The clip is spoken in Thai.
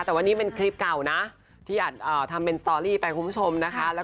แต่ว่านี่เป็นคลิปเก่านะที่อัดทำเป็นสตอรี่ไปคุณผู้ชมนะคะ